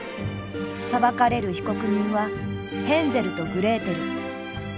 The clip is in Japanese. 裁かれる被告人はヘンゼルとグレーテル。